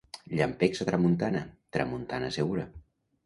Llampecs a tramuntana, tramuntana segura.